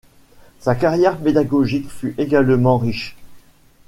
Sa carrière pédagogique fut également riche.